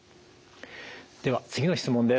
では次の質問です。